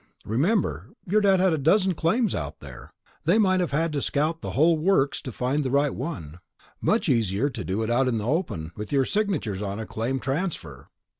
"Remember, your Dad had a dozen claims out there. They might have had to scout the whole works to find the right one. Much easier to do it out in the open, with your signatures on a claim transfer.